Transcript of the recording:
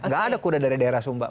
gak ada kuda dari daerah sumba